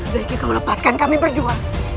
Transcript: sebaiknya kau lepaskan kami berjuang